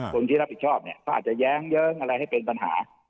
คนที่รับผิดชอบเนี่ยเขาอาจจะแย้งเยิ้งอะไรให้เป็นปัญหา